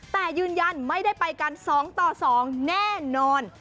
แต่ยืนยันไม่ได้ไปกัน๒ต่อ๒แน่นอน